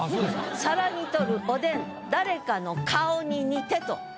「皿に取るおでん誰かの顔に似て」と。